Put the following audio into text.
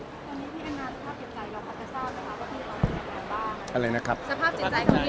ตอนนี้พี่อันนั้นสภาพจริงใจของคุณอันน่าได้พูดคุยไหมครับพี่